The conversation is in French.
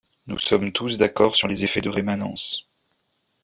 Nous sommes tous d’accord sur les effets de rémanence.